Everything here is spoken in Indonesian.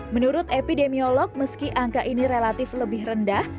menurut epidemiolog meski angka ini relatif lebih rendah